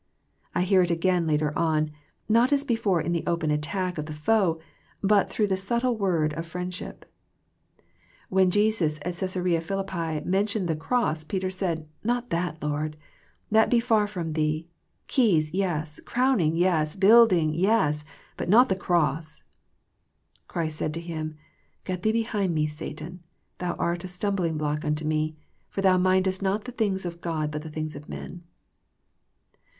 I hear it again later on, not as before in the open attack of the foe, but through the subtle word of friendship. When Jesus at Caesarea Philippi mentioned the cross, Peter said, " Not that. Lord I That be far from Thee. Keys, yes ; crowning, yes ; build ing, yes ; but not the cross !" Christ said to him, " Get thee behind Me, Satan : thou art a stumbling block unto Me ; for thou mindest not the things of God, but the things of men."